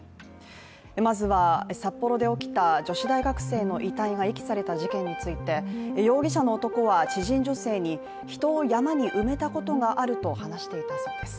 まずは札幌で起きた女子大学生の遺体が遺棄された事件について、容疑者の男は知人女性に人を山に埋めたことがあると話していたそうです。